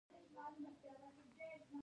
د دوی د مینې کیسه د سفر په څېر تلله.